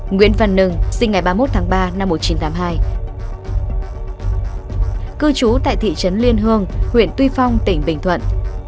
nguyễn văn nưng sinh ngày ba mươi một tháng ba năm một nghìn chín trăm tám mươi hai cư trú tại thị trấn liên hương huyện tuy phong tỉnh bình thuận